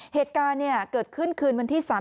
เหตุการณ์เกิดขึ้นคืนวันที่๓๐